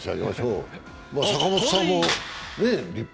坂本さんも立派。